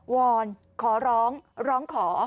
อนขอร้องร้องขอ